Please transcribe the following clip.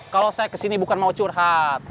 kalau saya kesini bukan mau curhat